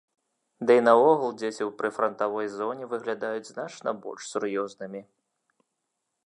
Ды і наогул дзеці ў прыфрантавой зоне выглядаюць значна больш сур'ёзнымі.